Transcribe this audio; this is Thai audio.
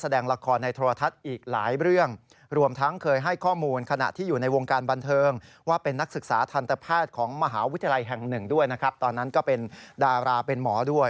๑ด้วยนะครับตอนนั้นก็เป็นดาราเป็นหมอด้วย